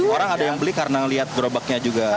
orang ada yang beli karena melihat gerobaknya juga